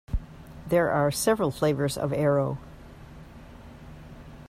There are several flavours of Aero.